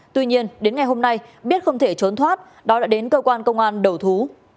tuy nhiên đến ngày hôm nay biết không thể trốn thoát đó đã đến cơ quan công an đầu thú